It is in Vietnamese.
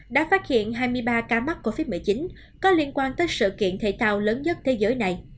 đã phát hiện hai mươi ba ca mắc covid một mươi chín có liên quan tới sự kiện thể thao lớn nhất thế giới này